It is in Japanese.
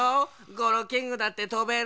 ゴロウキングだってとべるぞ！